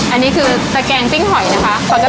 อันนี้คือตะแกงปิ้งหอยนะคะ